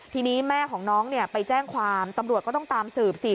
ทีนี้แม่ของน้องไปแจ้งความตำรวจก็ต้องตามสืบสิ